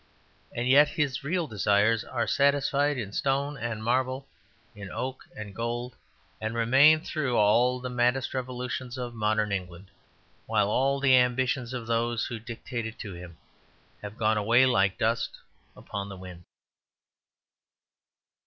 And yet his real desires are satisfied in stone and marble, in oak and gold, and remain through all the maddest revolutions of modern England, while all the ambitions of those who dictated to him have gone away like dust upon the wind.